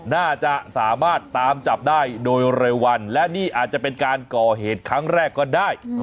น่าจะสามารถตามจับได้โดยเร็ววันและนี่อาจจะเป็นการก่อเหตุครั้งแรกก็ได้